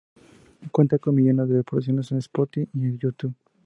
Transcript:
Cuenta con millones de reproducciones en Spotify y Youtube.